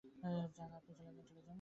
যান, আপনি চলে যান।